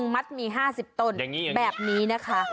มัดมี๕๐ต้นแบบนี้นะคะ